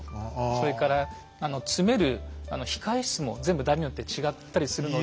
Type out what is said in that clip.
それから詰める控え室も全部大名によって違ったりするので。